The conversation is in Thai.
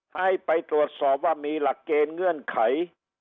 ให้ไปตรวจสอบว่ามีหลักเกณฑ์เงื่อนไข